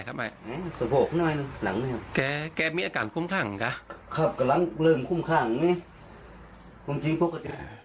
กายนิดหน่อยหนึ่งเนรงนี้แค่แค่มีอากาศคุมข้างค่ะเริ่มคุ้มข้างไม่มาจริงครับ